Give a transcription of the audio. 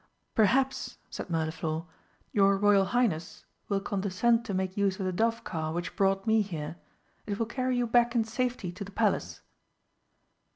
"Perhaps," said Mirliflor, "your Royal Highness will condescend to make use of the dove car which brought me here? It will carry you back in safety to the Palace."